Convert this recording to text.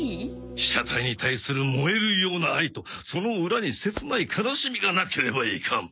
被写体に対する燃えるような愛とその裏に切ない悲しみがなければいかん！